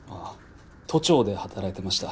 都庁で働いてました。